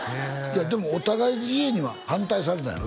でもお互い家には反対されたんやろ？